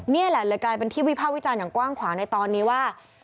นี่แหละเลยกลายเป็นที่วิภาควิจารณ์อย่างกว้างขวางในตอนนี้ว่า